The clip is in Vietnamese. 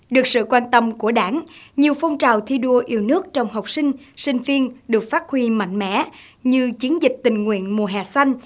được sự quan tâm của đảng nhiều phong trào thi đua yêu nước trong học sinh sinh viên được phát huy mạnh mẽ như chiến dịch tình nguyện mùa hè xanh